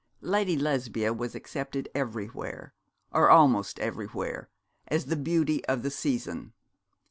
Lady Lesbia was accepted everywhere, or almost everywhere, as the beauty of the season.